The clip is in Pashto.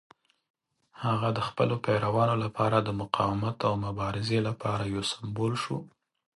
هغه د خپلو پیروانو لپاره د مقاومت او مبارزې لپاره یو سمبول شو.